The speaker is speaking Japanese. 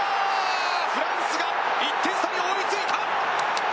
フランスが１点差で追いついた！